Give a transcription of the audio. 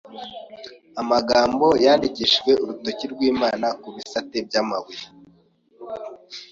Amagambo yandikishijwe urutoki rw’Imana ku bisate by’amabuye